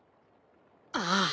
ああ。